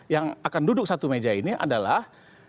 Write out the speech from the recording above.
yang akan duduk satu meja ini adalah